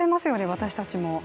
私たちも。